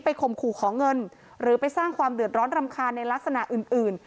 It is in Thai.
ข่มขู่ขอเงินหรือไปสร้างความเดือดร้อนรำคาญในลักษณะอื่นอื่น